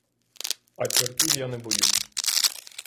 А чортів я не боюсь.